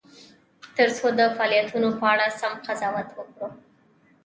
ترڅو د فعالیتونو په اړه سم قضاوت وکړو.